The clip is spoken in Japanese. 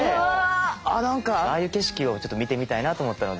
何かああいう景色をちょっと見てみたいなと思ったので。